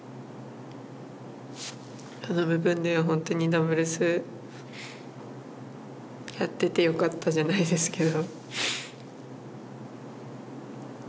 その部分では本当にダブルスやっててよかったじゃないですけど。